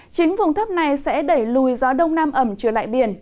chính vùng thấp này sẽ đẩy lùi gió đông nam ẩm trở lại biển